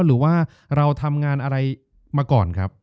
หรือว่าเราทำงานอะไรมาก่อนครับ